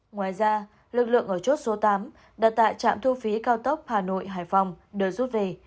ngoài ra lực lượng ở chốt số tám đặt tại trạm thu phí cao tốc hà nội hải phòng đưa rút về